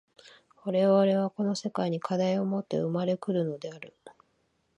我々はこの世界に課題をもって生まれ来るのである。